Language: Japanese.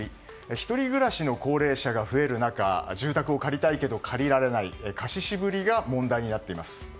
１人暮らしの高齢者が増える中住宅を借りたいけど借りられない、貸し渋りが問題になっています。